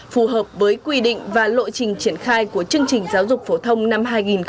phù hợp với quy định và lộ trình triển khai của chương trình giáo dục phổ thông năm hai nghìn một mươi tám